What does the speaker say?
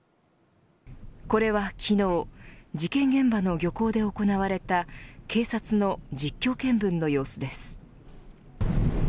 これは昨日事件現場の漁港で行われた警察の実況見分の様子です。